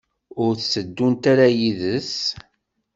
Ur tteddunt ara yid-s?